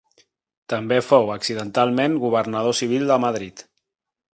També fou accidentalment governador civil de Madrid.